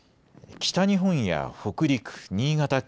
北日本や北陸、新潟県